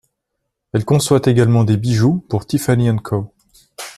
Elle conçoit également des bijoux pour Tiffany & Co.